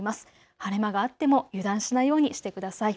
晴れ間があっても油断しないようにしてください。